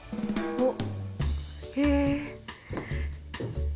おっ。